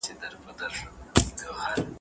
که پوهه نه وي ادبي شننه سمه نه ترسره کیږي.